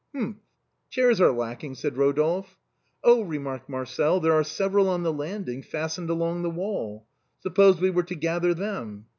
" Humph ! chairs are lacking," said Eodolphe. " Oh !" remarked Marcel, " there are several on the landing, fastened along the wall. Suppose we were to gather them."